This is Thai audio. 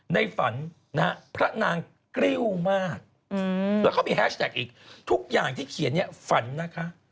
ในฝันนะฮะพระนางกริ้วมากแล้วก็มีแฮชแท็กอีกทุกอย่างที่เขียนเนี่ยฝันนะคะ